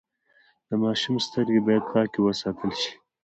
د ماشوم سترګې باید پاکې وساتل شي۔